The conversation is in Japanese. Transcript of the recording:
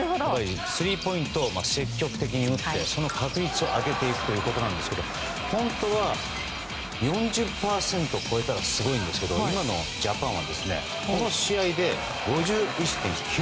スリーポイントを積極的に打ってその確率を上げていくということですが本当は４０％を超えたらすごいんですけど今のジャパンはこの試合で５１．９％。